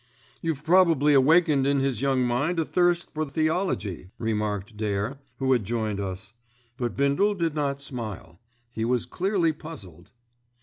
"You've probably awakened in his young mind a thirst for theology," remarked Dare, who had joined us. But Bindle did not smile. He was clearly puzzled.